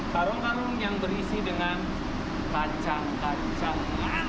karung karung yang berisi dengan kacang kacangan